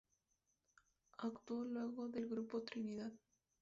Actuó luego del grupo Trinidad.